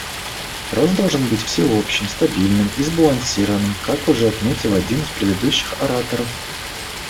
Рост должен быть всеобщим, стабильным и сбалансированным, как уже отметил один из предыдущих ораторов.